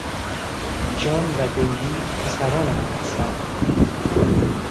جان و دیوید پسران من هستند.